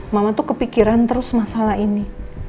mama tuh kepikiran terus masalah ini